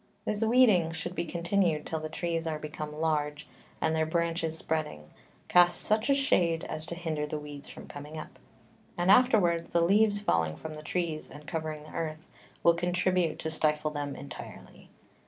This Weeding should be continued till the Trees are become large, and their Branches spreading, cast such a Shade as to hinder the Weeds from coming up; and afterwards, the Leaves falling from the Trees, and covering the Earth, will contribute to stifle them intirely.